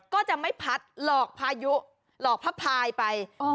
ก็จะไม่พัดหลอกพายุหลอกพระพายไป